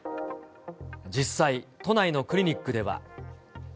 実際、都内のクリニックでは。